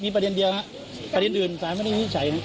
มีประเด็นเดียวครับประเด็นอื่นสารไม่ได้พิจัยนะครับ